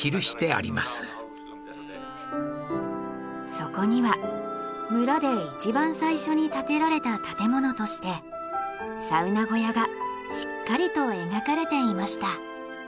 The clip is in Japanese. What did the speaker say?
そこには村で一番最初に建てられた建物としてサウナ小屋がしっかりと描かれていました。